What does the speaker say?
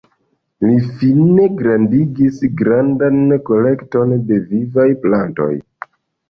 Li fine starigis grandan kolekton de vivaj plantoj.